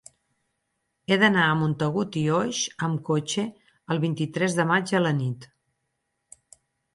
He d'anar a Montagut i Oix amb cotxe el vint-i-tres de maig a la nit.